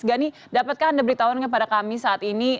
gani dapatkah anda beritahukan kepada kami saat ini